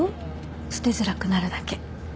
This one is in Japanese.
捨てづらくなるだけ。